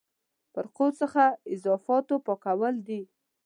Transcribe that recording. فرقو څخه اضافاتو پاکول دي.